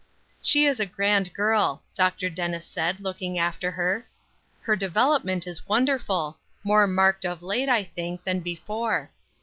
"She is a grand girl," Dr. Dennis said, looking after her. "Her development is wonderful; more marked of late, I think, than before.